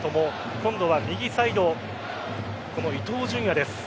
今度は右サイド伊東純也です。